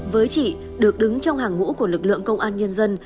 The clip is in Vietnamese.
với chị được đứng trong hàng ngũ của lực lượng công an nhân dân